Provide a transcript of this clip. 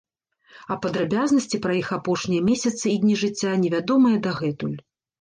А падрабязнасці пра іх апошнія месяцы і дні жыцця не вядомыя дагэтуль.